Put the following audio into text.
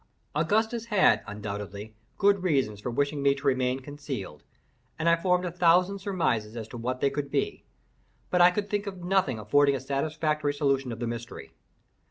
Augustus had, undoubtedly, good reasons for wishing me to remain concealed, and I formed a thousand surmises as to what they could be—but I could think of nothing affording a satisfactory solution of the mystery.